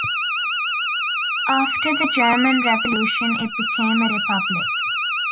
After the German Revolution, it became a republic.